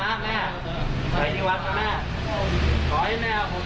แม่ไปที่วัดไปดูนะ